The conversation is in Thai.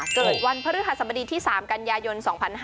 เกิดวันพระธรรมดีที่๓กันยายน๒๕๑๓